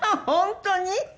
本当に？